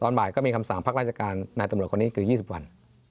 บ่ายก็มีคำสั่งพักราชการนายตำรวจคนนี้คือ๒๐วัน